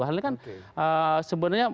hal ini kan sebenarnya